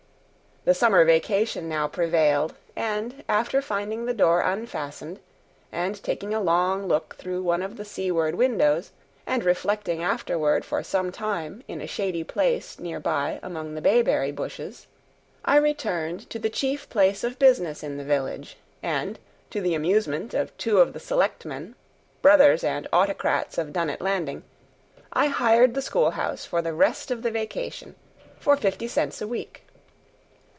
The summer vacation now prevailed, and after finding the door unfastened, and taking a long look through one of the seaward windows, and reflecting afterward for some time in a shady place near by among the bayberry bushes, I returned to the chief place of business in the village, and, to the amusement of two of the selectmen, brothers and autocrats of Dunnet Landing, I hired the schoolhouse for the rest of the vacation for fifty cents a week.